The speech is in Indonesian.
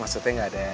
maksudnya gak ada